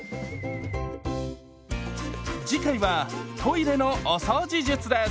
次回はトイレのお掃除術です。